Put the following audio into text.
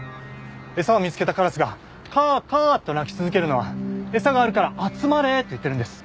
餌を見つけたカラスが「カアカア」と鳴き続けるのは「餌があるから集まれ」と言っているんです。